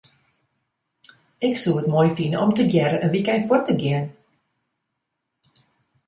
Ik soe it moai fine om tegearre in wykein fuort te gean.